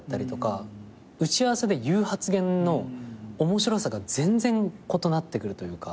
打ち合わせで言う発言の面白さが全然異なってくるというか。